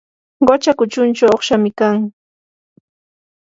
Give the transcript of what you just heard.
qucha kuchunchaw uqshami kan.